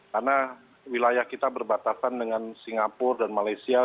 karena wilayah kita berbatasan dengan singapura dan malaysia